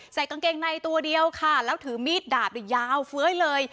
ใส่กางเกงในตัวเดียวค่ะแล้วถือมีดดาบยาวเฟ้ยเลย